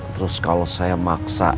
terus kalau saya maksa